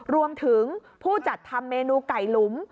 รวมถึงผู้จัดทำเมนูไก่หลุม